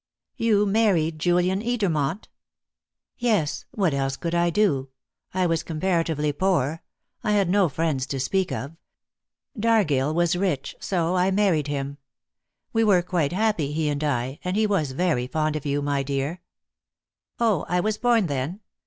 "You married Julian Edermont?" "Yes; what else could I do? I was comparatively poor; I had no friends to speak of. Dargill was rich, so I married him. We were quite happy, he and I, and he was very fond of you, my dear." "Oh! I was born then?"